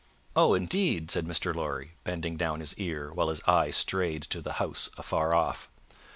"Oh indeed!" said Mr. Lorry, bending down his ear, while his eye strayed to the House afar off.